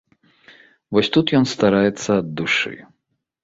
Вось тут ён стараецца ад душы.